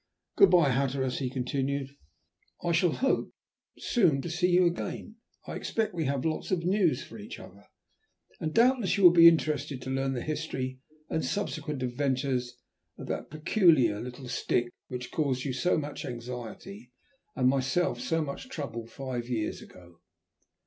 "Good bye, Hatteras," he continued. "I shall hope soon to see you again. I expect we have lots of news for each other, and doubtless you will be interested to learn the history and subsequent adventures of that peculiar little stick which caused you so much anxiety, and myself so much trouble, five years ago.